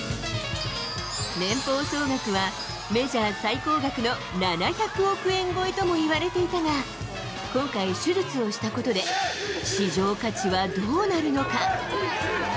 年俸総額はメジャー最高額の７００億円超えともいわれていたが、今回、手術をしたことで市場価値はどうなるのか。